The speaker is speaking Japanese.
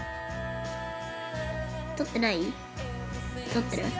撮ってない？